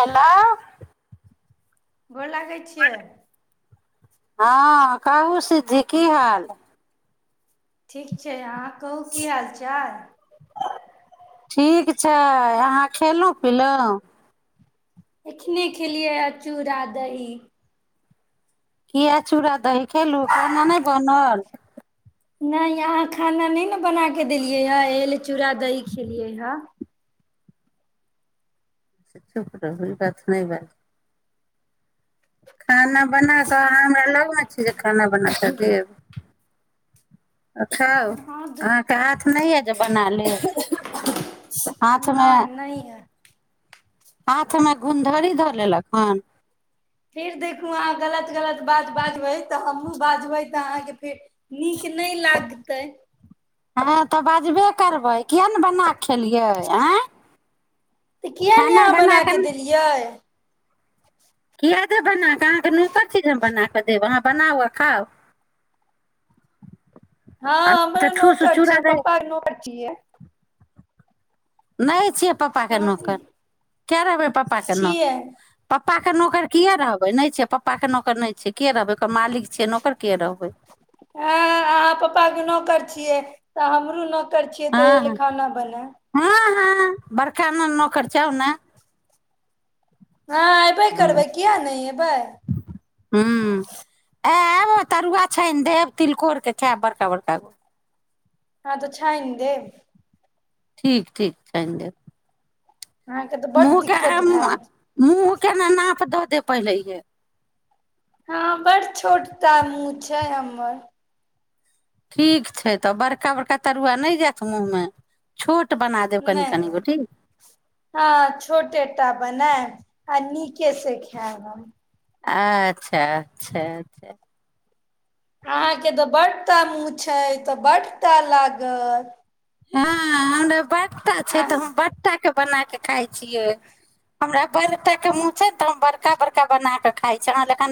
hello घोर लागै छियै हँ कहू सिद्धी की हाल ठीक छै अहाँ कहू की हाल चाल ठीक छै अहाँ खयलहुँ पीलहुँ एखने खेलियै चुड़ा दही किया चूड़ा दही खेलहु खना नहि बनल नहि अहाँ खाना नहि ने बना कऽ देलियै हे एल चूड़ा दही खेलियै हे चुप रह हुनका सँ नहि बात खाना बना कऽ अहाँ हमरा लगमे छी जे खाना बना कऽ देब अ छौ हँ तऽ अहाँके हाथ नहि य जे बना लेब हाथ मे नहि नहि है हाथ मे घुन्धरी धऽ लेलक हन फेर देखू अहाँ गलत गलत बात बाजबै तऽ हमहूँ बाजबै तऽ अहाँके फेर नीक नहि लागतै हँ तऽ बाजबे करबै किएक नहि बना कऽ खेलियै आँय तऽ किएक नहि खाना यहाँ बना के कऽ देलियै [inaudible] क देे बना हाँके नोकर छी जे हम बना कऽ देब अहाँ बनाउ खाउ हँ तऽ हमरा ठूस नौकर चूड़ा छियै दै पप्पा नौकर छियै नहि छियै पापाके हमर नौकर कऐ लेबै पपा सनक छियै प पप्पा के नौकर किया रहबे नहि छै पप्पा के नौकर नहि छै केिया रहबै ओकर मालिक छियै नौकर किए रहबै हँ अहाँ पप्पा कें नौकर छियै तऽ हमरो न छियै हँ तेल हँ खाना बनायब हँ बरखा मे नौकर छीयौ ने हँ अयबे करबै किएक नहि अयबै हुँ आ तरुआ छनि देब तिलकोरके छै बड़का बड़का गो हँ तऽछाईन देेब ठीक ठीक छाईन देब अहाँके तऽ बड्ड मुँह दिक्कत एम भएत महूँके न नाप द ते पहिलेेह हँ बड़ छोटता मुँ छै हमर ठीक छै तऽ बड़का बड़का तरुआ नहि जायत मूँहमे नहि नहि हँ छोटे टा बनायनब आइ नीके से खायब हम अच्छा अच्छा अच्छा अहाँके तऽ बड ता मूँह छै तऽ बड ता लागत हँ हमउप बटा छै आ तऽ बाके बना के खााय छियै हमरा बड़े के मुँह छै ने तऽ हम बड़का बड़का बना के खााय छी अह लख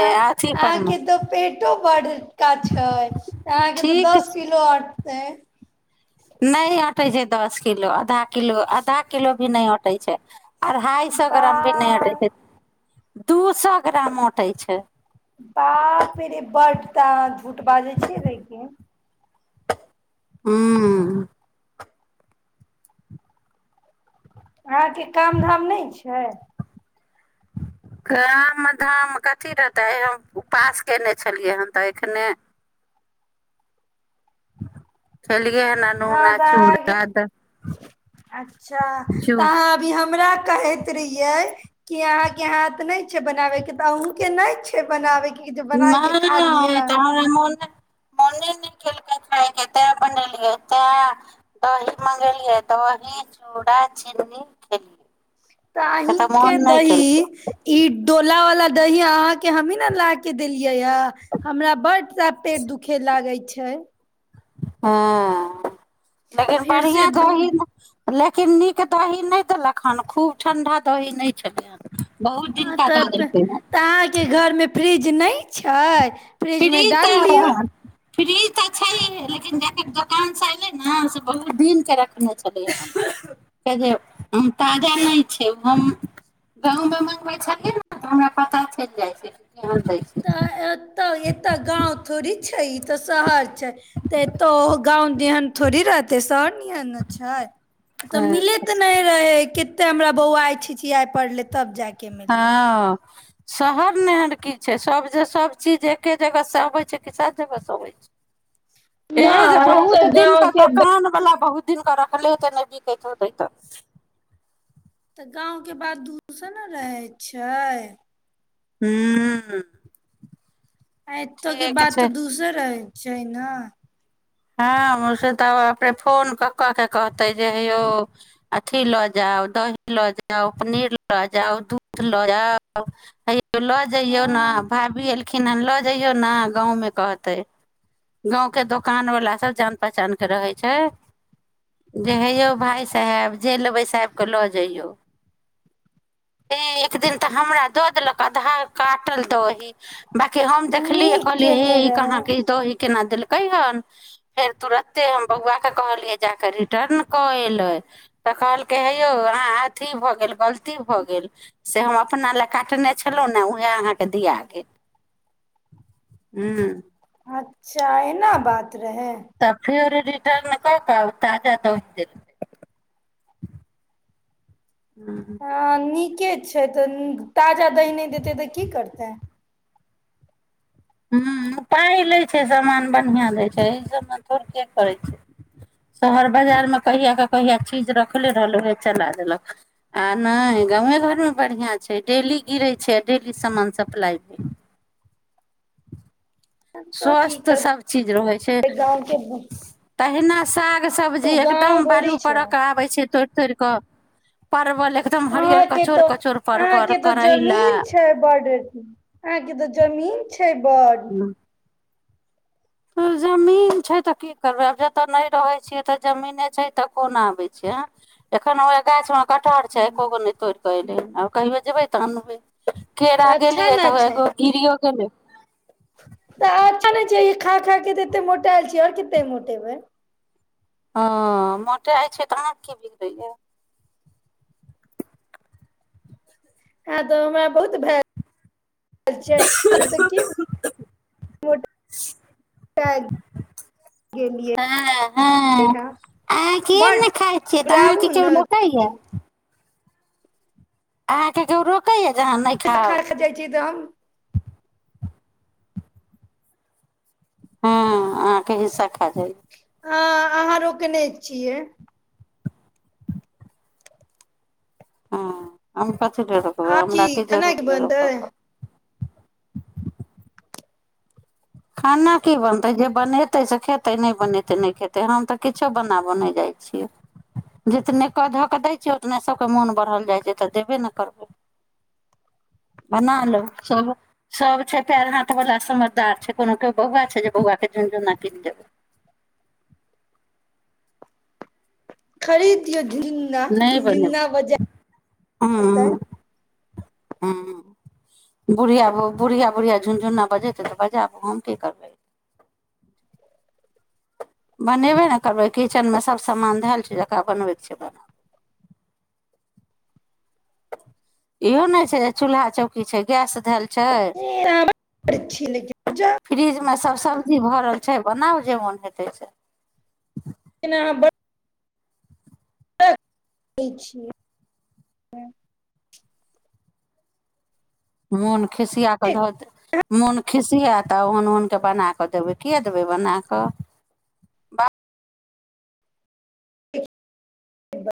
आ अहाँके तऽ पेटो बड़का छै अहाँके तऽ ठीक दस किलो आटतै नहि अटै छै दस किलो आधा किलो आधा किलो भी नहि अटै छै अढ़ाइ सए ग्राम भी नहि हटै बा छै दू सए ग्राम अऔटै छै बाप रे बड त धूठ बाजै छ रै हँ [inaudible] अहाँके काम धाम नहि छै गाम धाम कथी रहतै उपास कयने छलियै हन तऽ एखने खेलि न नूह न चूड़ अच्छा अच्छा तऽ अहाँ अभी हमरा कहैत ै कि अहा के हाथ नहि छै बनाबे के तऽ अहुूँ के नहि छै बनाबे के खा नहि लिअ तह मोन मोनी नहि खेलकै खायके तें बनेलियै ते दही मंगेलियै दही चूड़ा चीनी खेलियै तऽ अही के मोन नहि केलकै दही ई डोला वलाा दही अहाँ के हमही ने ला के देलिय ह हमरा बड सा पेड़ दुखे लागे छै छैओ हँ लेकिन फेर से बढ़िआ त दू ही ने लेकिन नीक दही नहि देलक हँ खूब ठण्डा दही नहि छलै हँ अ तब तऽ अहाँके घर में फ्रिज नहि अच छै फ्रिजमे डाल लियौ फ्री तऽ छै लेकिन ज कऽ दोकानसँ एयलै ने से बहुत दिनके रखने छलियै जे हम ताजा नहि छै हम गाँवमे मँ्गबै छलियै ने तऽ हमरा पता चलि जाइ छै केहन दै छै तऽ त एता गांव थोड़ी छै ई तऽ शहर छै तऽ तो गाँंहन थोड़ी रहतै शहरहन ने छै तऽ मिले अच्छा तऽ नहि रहै क ते हमरा बौआ छिचिया पड़ले तब जाय हँ शहर ने एहन की छै सभ जे सभचीज एक्े जगहसँ अबैत छै कि सभ जगहसँ अबैत छै एहे जे बहुत दिन त दोकान बला बहुत दिनक रखले होतै नहि बिक होतै तऽ तऽ गाँंव के बात दूष ने रहै छै हू आ एतो की बात तऽ दूसर है छैना हँ ओ से तऽ अपने फोन कऽ कऽ के कहते जे हेयौ अथी लऽ जाउ दही लऽ जाउ पनीर लऽ जाउ दूध लऽ जाउ हेयौ के लऽ जइयौ ने हँ भाभी ए िन ल जइयो ने गाँ मे कहते गाँं के द कान वला सब जान पहचान के रहै छै जे हे यौ भाय साहेब जे लेबै साहब के लऽ जइयौे एक दिन तऽ हमरा दऽ देलक आधार कार्ड कटल दही बाकी हम देखलिै नीक कहलि हे केने ई रहै कहाँके द केना दलक हान फेर तुरते हम बौआके कहलियै जा कऽ रिटर्न कऽ एलै तऽ कहलकै हे यौ अहाँ अथी भऽ गेल गलती भऽ गेल से हम अपना लए काटने छलहुँ ने उएह अहाँके दिया गेल हँ हँ चा एना बात रहै तऽ फेर रिटर्न क क ताजा दन द हूँ ह न ठीके छै तऽ ताजा दही नहि देतै तऽ की करतै ह्म्म पाइ लै छै सामान बढ़िआँ दै छै एहि सभमे थोड़के करै छै शहर बाजारमे कहियाक कऽ कहिया चीज रखले रहल ओए चला देलक आ नहि गाँवमे घरमे बढ़िआँ छै डेली गिरै छै आ डेली सामान सप्लाइ भेल तऽ की स्वस्थ करबै सभ चीज रहै छै गाँव के तहिना साग सब्जी तो गाँव एकदम बालू थोड़ी छै पर के आबे छै तो तड़िकऽ अहाँ के तऽ परवल अहाँके तऽ करैला जमीन छै बॉर्डर अहाँके तऽ जमीन छै बन त जमीन छै तऽ की करबै आब जतय नहि रहैत छियै तऽ जमीने छै तऽ कोन आबै छै एखन ओह गाछ मे कठहर छै एको गो नहि तोड़िकऽ एले आउ कहहिबै जेब भै तह न भै केरा तऽ अच्छा गेलियै ने तऽ छै एगो गिरियो हल तऽ अच्छा नहि छिय ई खा खा क तऽ एतेक मोटा आयल छ आओर कतेक मोटेबै हँ मोटाे होइ छै तऽ अहाँके की बिगड़ैए हँ तऽ हमरा बहुत भए ह मोटा गेलियै ह यहाँ अहाँ के बड ने खााय छियै तऽ बुराबू अहाँके केओ ने लोक खाइय आहके रोकै खान जाइ छी तम हँ अहाँके हिस्सा खा जाइ हँ अहाँ रोकने छियै ह आ कथी रोकबै आ की हमरा क केना के जरूरी बनतै रोकब खाना की बनतै जे बनेतै से खेतै नहि बनेतै नहि खेतै हम तऽ किछो बना ब नहि जाइत छियै जितने क धऽ कऽ दै छियै उतने सभके मोन बढ़ल जाइ छै तऽ देबे ने करबै बना लो सभ सभ छै पएर हाथवला समझदार छै कोनो केओ बौआ छै जे बौआ के झुनझुन न किन देब खरीदियौ नहि बनेबै ह बजातै ह बुढ़िया ब बुढ़िया बुढ़िया झुनझुना बजेतै तऽ बजाबू हम की करबै बनेबे ने करबै किचेनमे सभ सामान धयल छै जकरा बनबैके छै बनाब इहो नहि छै चूल्हा चौकी छै गैस छी लेकिन धए [unintelligible] छै बनाउ जे मोन हेतै से लिनहाँ ब छियै ह्म मोन खिसिया कऽ धऽ दे मोन खिसिया तऽ ओन नके बना कऽ देबै किएक देबै बना कऽ बाप ह ब